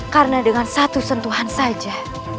karena dengan satu sentuhan saja